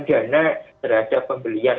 dana terhadap pembelian